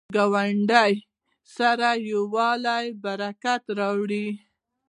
ګاونډي سره یووالی، برکت راولي